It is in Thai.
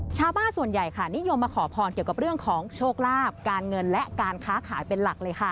ชาวบ้านส่วนใหญ่ค่ะนิยมมาขอพรเกี่ยวกับเรื่องของโชคลาภการเงินและการค้าขายเป็นหลักเลยค่ะ